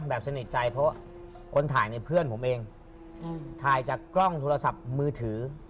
สนิทใจเพราะคนถ่ายในเพื่อนผมเองถ่ายจากกล้องโทรศัพท์มือถือ